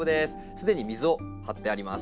すでに水を張ってあります。